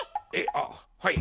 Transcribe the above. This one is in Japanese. あっはい。